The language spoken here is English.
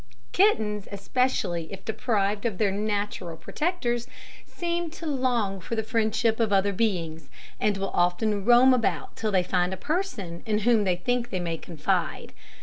Kittens, especially if deprived of their natural protectors, seem to long for the friendship of other beings, and will often roam about till they find a person in whom they think they may confide.